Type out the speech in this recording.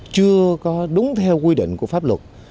chưa có đúng theo quy định của pháp luật